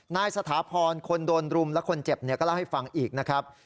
นายสถาพรคนโดนรุมและคนเจ็บก็เล่าให้ฟังอีกนะครับ